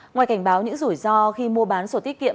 ngoài cảnh báo những rủi ro khi mua bán sổ tiết kiệm